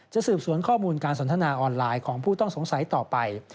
สืบสวนข้อมูลการสนทนาออนไลน์ของผู้ต้องสงสัยต่อไป